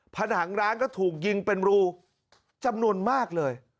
ผนังร้านก็ถูกยิงเป็นรูจำนวนมากเลย